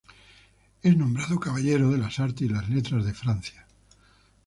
Es nombrado Caballero de las Artes y las Letras de Francia.